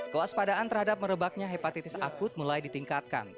kewaspadaan terhadap merebaknya hepatitis akut mulai ditingkatkan